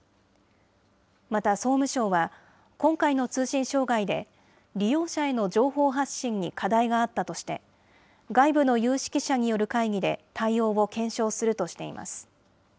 また総務省は、今回の通信障害で、利用者への情報発信に課題があったとして、外部の有識者による会議で、対応を検証するとしています。